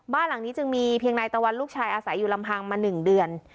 บ้านหลังนี้จึงมีเพียงนายตะวันลูกชายอาศัยอยู่ลำพังมา๑เดือน